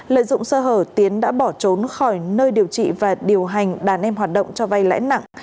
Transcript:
lợi dụng sơ hở tiến đã bỏ trốn khỏi nơi điều trị và điều hành đàn em hoạt động cho vay lãi nặng